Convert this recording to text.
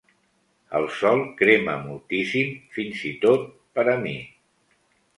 El sol crema moltíssim, fins i tot per a mi.